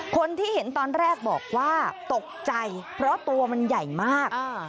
คนที่เห็นตอนแรกบอกว่าตกใจเพราะตัวมันใหญ่มาก